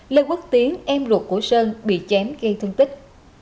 lê quốc tiến em ruột của sơn bị chém gây thương tích